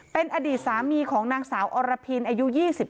เป็นอดีตสามีของนางสาวอรพินอายุ๒๙